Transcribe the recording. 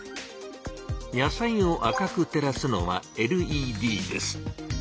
野菜を赤く照らすのはＬＥＤです。